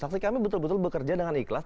saksi kami betul betul bekerja dengan ikhlas